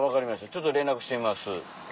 ちょっと連絡してみます。